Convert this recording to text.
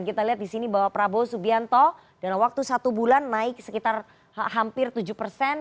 kita lihat di sini bahwa prabowo subianto dalam waktu satu bulan naik sekitar hampir tujuh persen